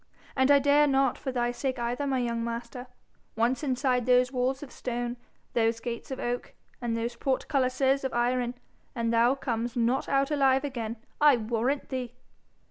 And I dare not for thy sake either, my young master. Once inside those walls of stone, those gates of oak, and those portcullises of iron, and thou comes not out alive again, I warrant thee.'